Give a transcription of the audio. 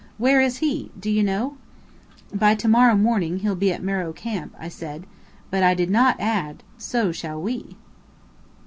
Where is he do you know?" "By to morrow he'll be at Meröe Camp," I said: But I did not add: "So shall we!"